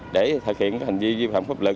để thực hiện hành vi dư phẩm pháp luật